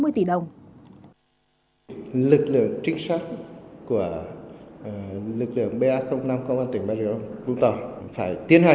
lực lượng trích sát của lực lượng ba năm công an tỉnh bà ríu vũng tàu phải tiến hành